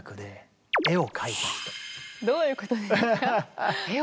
どういうことですか？